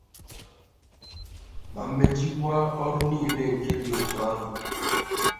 ma machiekwa ọrụ niile nke bdị otu ahụ